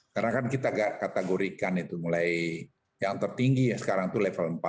karena kan kita kategorikan itu mulai yang tertinggi ya sekarang itu level empat